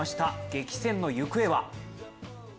激戦の行方は。